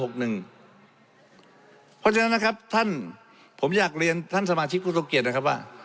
เพราะฉะนั้นนะครับท่านผมอยากเรียนท่านสมาชิกผู้ทรงเกียจนะครับว่า